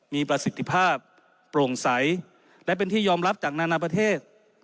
มีประสิทธิภาพโปร่งใสและเป็นที่ยอมรับจากนานาประเทศ